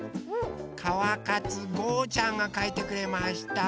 かわかつごうちゃんがかいてくれました。